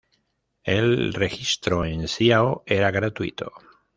El registro en Ciao era gratuito.